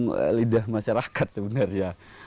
penyambung lidah masyarakat sebenarnya